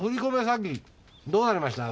詐欺どうなりました？